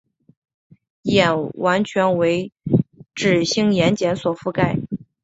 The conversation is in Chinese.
眼完全为脂性眼睑所覆盖。